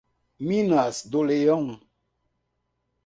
Minas do Leão